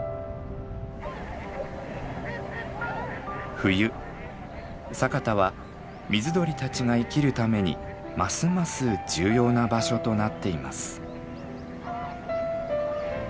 冬佐潟は水鳥たちが生きるためにますます重要な場所となっています。